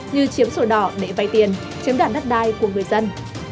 như chiếm sổ đỏ để vay tiền chiếm đoạt đất đai của người dân